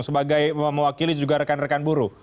sebagai mewakili juga rekan rekan buruh